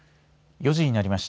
４時になりました。